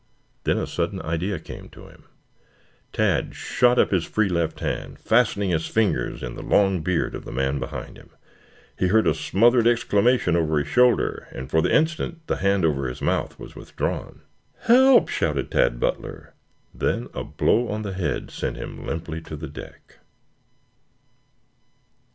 Then a sudden idea came to him. Tad shot up his free left hand, fastening his fingers in the long beard of the man behind him. He heard a smothered exclamation over his shoulder, and for the instant the hand over his mouth was withdrawn. "Help!" shouted Tad Butler. Then a blow on the head sent him limply to the deck.